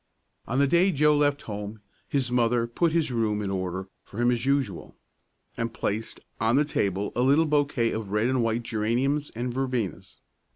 On the day Joe left home his mother put his room in order for him as usual, and placed on the table a little bouquet of red and white geraniums and verbenas.